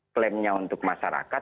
klaimnya untuk masyarakat